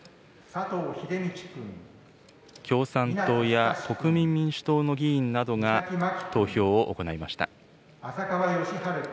共産党や国民民主党の議員などが投票を行いました。